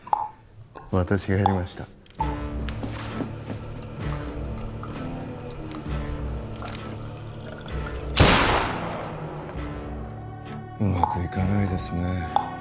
私がやりましたうまくいかないですね